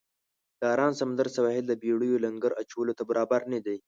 د آرام سمندر سواحل د بېړیو لنګر اچولو ته برابر نه دی.